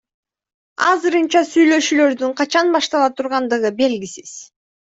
Азырынча сүйлөшүүлөрдүн качан баштала тургандыгы белгисиз.